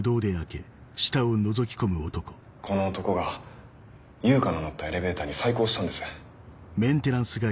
この男が悠香の乗ったエレベーターに細工をしたんです。